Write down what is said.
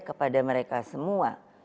kepada mereka semua